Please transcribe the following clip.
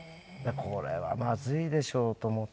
これはまずいでしょうと思って。